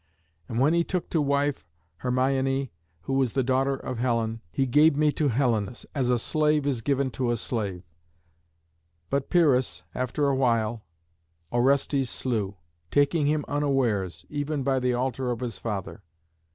And when he took to wife Hermione, who was the daughter of Helen, he gave me to Helenus, as a slave is given to a slave. But Pyrrhus, after awhile, Orestes slew, taking him unawares, even by the altar of his father.